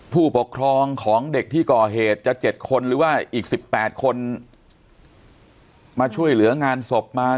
ผู้ปกครองของเด็กที่ก่อเหตุจะ๗คนหรือว่าอีก๑๘คนมาช่วยเหลืองานศพมา